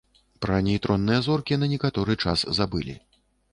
Пра нейтронныя зоркі на некаторы час забылі.